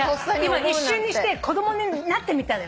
今一瞬にして子供になってみたのよ。